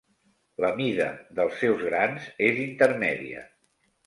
La mida dels seus grans és intermèdia.